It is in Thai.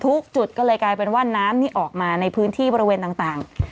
จุดก็เลยกลายเป็นว่าน้ำนี่ออกมาในพื้นที่บริเวณต่าง